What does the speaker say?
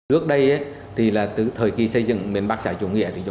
ứng thư khác nhau